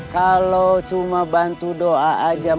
kalau cuma bantuan silahkan bantu doa